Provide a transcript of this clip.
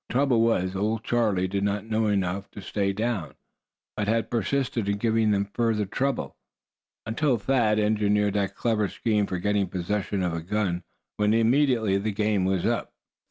The trouble was, old Charlie did not know enough to stay down; but had persisted in giving them further trouble, until Thad engineered that clever scheme for getting possession of a gun, when immediately the game was up.